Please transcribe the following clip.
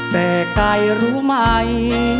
แต่ใกล้รู้ไหม